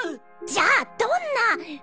じゃあどんな。